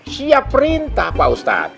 siap perintah pak ustaz